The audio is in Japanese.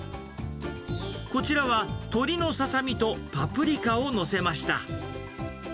こちらは、鶏のササミとパプリカを載せました。